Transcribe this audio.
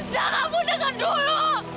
zah kamu denger dulu